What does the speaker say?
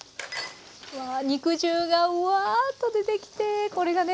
わ肉汁がうわっと出てきてこれがね